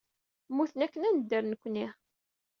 Mmuten akken ad nedder nekkni.